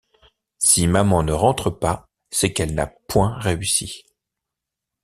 Si maman ne rentre pas, c’est qu’elle n’a point réussi.